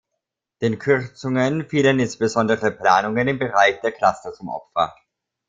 Den Kürzungen fielen insbesondere Planungen im Bereich der Cluster zum Opfer.